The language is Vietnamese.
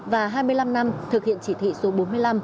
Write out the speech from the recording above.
và hai mươi năm năm thực hiện chỉ thị số bốn mươi năm